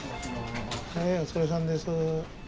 はいお疲れさんです。